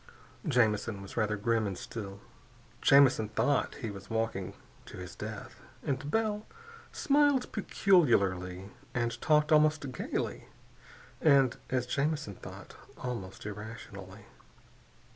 Jamison was rather grim and still. Jamison thought he was walking to his death. But Bell smiled peculiarly and talked almost gaily and as Jamison thought almost irrationally.